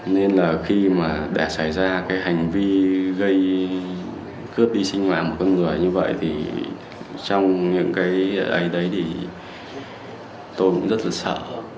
nên là khi mà đã xảy ra cái hành vi gây cướp đi sinh hoạt một con người như vậy thì trong những cái đấy đấy thì tôi cũng rất là sợ